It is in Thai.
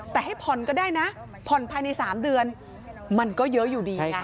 แต่ให้ผ่อนก็ได้นะผ่อนภายใน๓เดือนมันก็เยอะอยู่ดีนะ